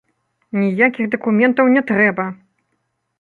Ніякіх дакументаў не трэба!